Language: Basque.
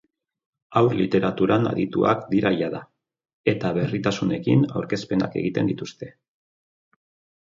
Haur literaturan adituak dira jada, eta berritasunekin aurkezpenak egiten dituzte.